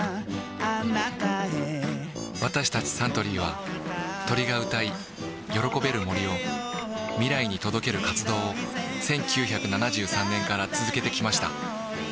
私たちサントリーは鳥が歌い喜べる森を未来に届ける活動を１９７３年から続けてきました